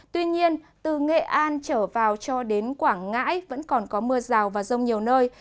tuy nhiên từ nghệ an trở vào cho đến quảng ngãi vẫn còn có mưa rào và rông nhiều nơi